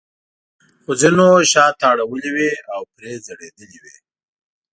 خو ځینو شاته اړولې وې او پرې ځړېدلې وې.